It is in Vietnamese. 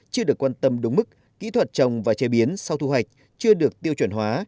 chưa được quan tâm đúng mức kỹ thuật trồng và chế biến sau thu hoạch chưa được tiêu chuẩn hóa